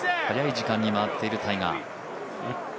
早い時間に回っているタイガー。